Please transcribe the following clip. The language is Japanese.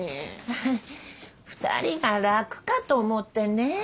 フフ２人が楽かと思ってね。